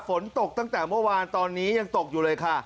ฝนตกตั้งแต่เมื่อวานตอนนี้ยังตกอยู่เลยค่ะ